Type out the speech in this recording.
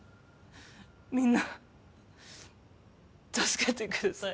みんな助けてください